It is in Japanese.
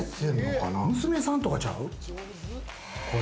娘さんとかちゃう？